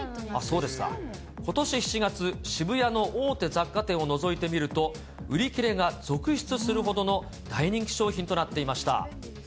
ことし７月、渋谷の大手雑貨店をのぞいてみると、売り切れが続出するほどの大人気商品となっていました。